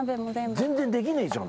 全然できねえじゃん。